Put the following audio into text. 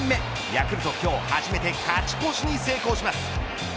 ヤクルト、今日初めて勝ち越しに成功します。